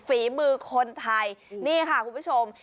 ฝีมือคนไทยนี่ค่ะคุณผู้ชม